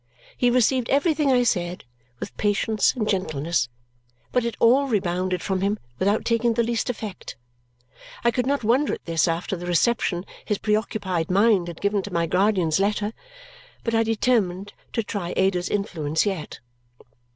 He received everything I said with patience and gentleness, but it all rebounded from him without taking the least effect. I could not wonder at this after the reception his preoccupied mind had given to my guardian's letter, but I determined to try Ada's influence yet.